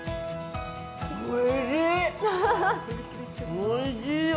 おいしい。